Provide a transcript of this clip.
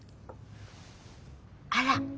あら？